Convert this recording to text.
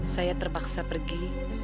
saya terpaksa pergi